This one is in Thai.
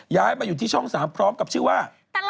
ย้ายมาอยู่ที่ช่อง๓พร้อมกับชื่อว่า